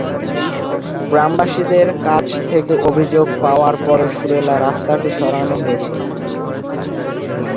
গ্রামবাসীদের কাছ থেকে অভিযোগ পাওয়ার পরে সুরেলা রাস্তাটি সরানো হয়েছিল।